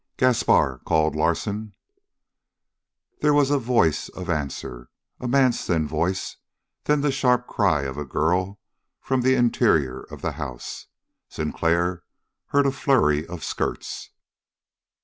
"Gaspar!" called Larsen. There was a voice of answer, a man's thin voice, then the sharp cry of a girl from the interior of the house. Sinclair heard a flurry of skirts.